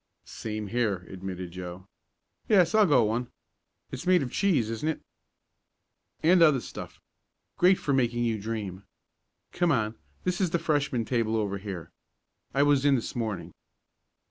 "Same here," admitted Joe. "Yes, I'll go one. It's made of cheese, isn't it?" "And other stuff. Great for making you dream. Come on, this is the Freshmen table over here. I was in this morning."